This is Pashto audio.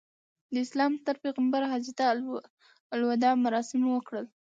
د اسلام ستر پیغمبر حجته الوداع مراسم وکړل.